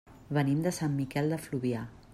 Venim de Sant Miquel de Fluvià.